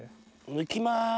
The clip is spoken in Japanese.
抜きます。